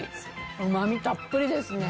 うまみたっぷりですね。